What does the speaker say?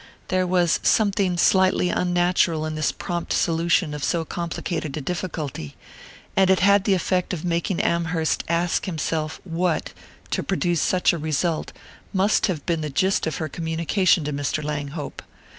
There was something slightly unnatural in this prompt solution of so complicated a difficulty, and it had the effect of making Amherst ask himself what, to produce such a result, must have been the gist of her communication to Mr. Langhope.